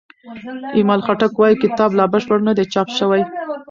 ایمل خټک وايي کتاب لا بشپړ نه دی چاپ شوی.